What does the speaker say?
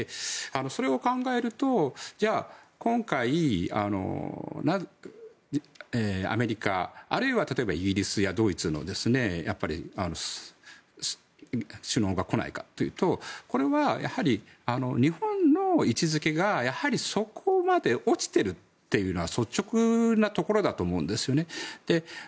それを考えるとじゃあ、今回アメリカ、あるいはイギリスやドイツの首脳が来ないかというとこれはやはり日本の位置づけがそこまで落ちているというのは率直なところだと思うんですよね。